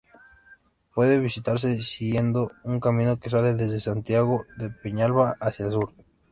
Puede visitarse siguiendo un camino que sale desde Santiago de Peñalba hacia el sur.